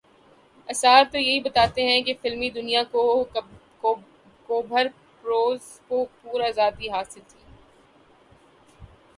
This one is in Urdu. آثار تو یہی بتاتے ہیں کہ فلمی دنیا کو بھرپور آزادی حاصل تھی۔